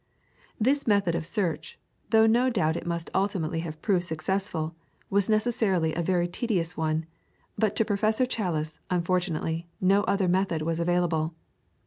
This method of search, though no doubt it must ultimately have proved successful, was necessarily a very tedious one, but to Professor Challis, unfortunately, no other method was available.